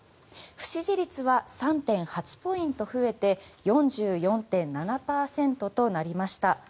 不支持率は３．８ポイント増えて４４．７％となりました。